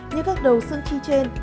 như các đầu xương chi trên